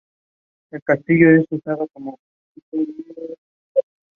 El Castillo es usado como centro cultural.